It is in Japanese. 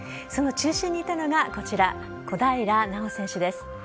その中心にいたのが、こちら、小平奈緒選手です。